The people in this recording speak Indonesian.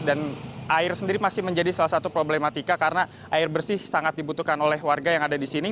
dan air sendiri masih menjadi salah satu problematika karena air bersih sangat dibutuhkan oleh warga yang ada di sini